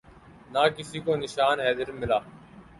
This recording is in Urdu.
نہ کسی کو نشان حیدر ملا